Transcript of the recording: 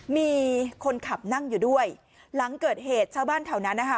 มีคนขับนั่งอยู่ด้วยหลังเกิดเหตุชาวบ้านแถวนั้นนะคะ